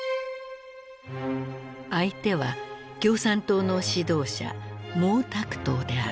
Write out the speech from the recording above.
相手は共産党の指導者毛沢東である。